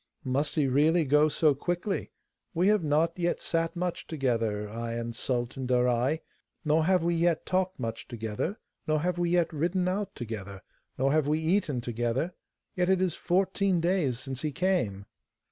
'Must he really go so quickly? We have not yet sat much together, I and Sultan Darai, nor have we yet talked much together, nor have we yet ridden out together, nor have we eaten together; yet it is fourteen days since he came.